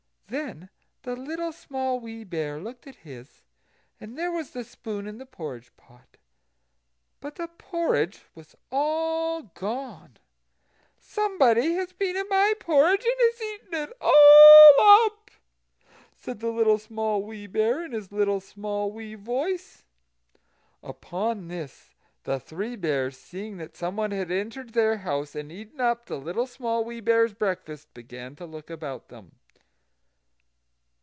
Then the Little Small Wee Bear looked at his, and there was the spoon in the porridge pot, but the porridge was all gone. "SOMEBODY HAS BEEN AT MY PORRIDGE, AND HAS EATEN IT ALL UP!" said the Little Small Wee Bear, in his little, small, wee voice. Upon this, the Three Bears, seeing that someone had entered their house, and eaten up the Little Small Wee Bear's breakfast, began to look about them.